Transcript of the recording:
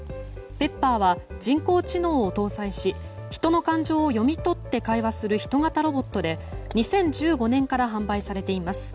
Ｐｅｐｐｅｒは人工知能を搭載し人の感情を読み取って会話するヒト型ロボットで２０１５年から販売されています。